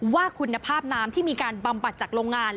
ว่าคุณภาพน้ำที่มีการบำบัดจากโรงงาน